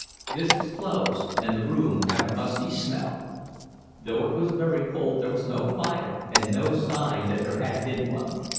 This was closed and the room had a musty smell. Though it was very cold there was no fire and no sign that there had been one.